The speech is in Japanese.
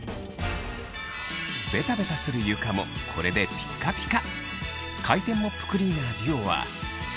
ベタベタする床もこれでピッカピカ！